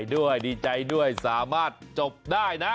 ด้วยดีใจด้วยสามารถจบได้นะ